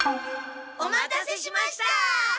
おまたせしました！